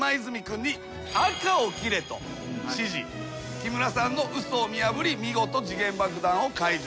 木村さんの嘘を見破り見事時限爆弾を解除した。